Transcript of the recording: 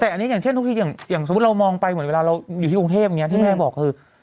แต่อันนี้อย่างเช่นทุกทีอย่างสมมุติเรามองไปเหมือนเวลาเราอยู่ที่กรุงเทพที่แม่บอกคือ